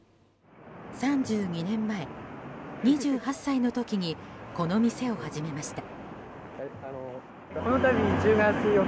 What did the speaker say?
３２年前、２８歳の時にこの店を始めました。